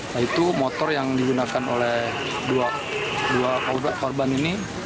nah itu motor yang digunakan oleh dua korban ini